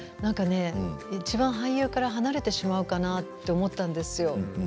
いちばん俳優から離れてしまうかなと思ったんですよ。